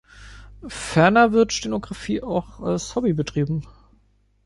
Ferner wird Stenografie auch als Hobby betrieben.